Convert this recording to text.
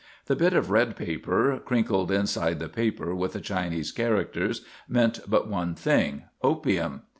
The bit of red paper, crinkled inside the paper with the Chinese characters, meant but one thing: opium.